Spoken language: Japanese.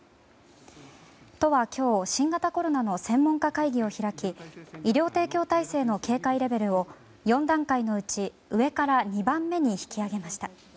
都は今日、新型コロナの専門家会議を開き医療提供体制の警戒レベルを４段階のうち上から２番目に引き上げました。